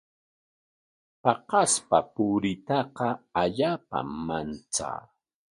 Paqaspa puriytaqa allaapam manchaa.